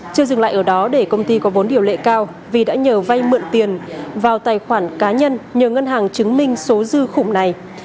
chưa dừng lại ở đó để công ty có vốn điều lệ cao vì đã nhờ vay mượn tiền vào tài khoản cá nhân nhờ ngân hàng chứng minh số dư khủng này